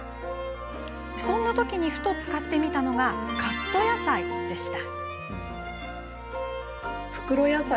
そんなときにふと使ってみたのがカット野菜でした。